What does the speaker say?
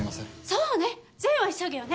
そうね善は急げよね。